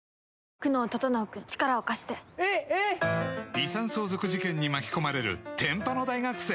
「遺産相続事件に巻き込まれる天パの大学生」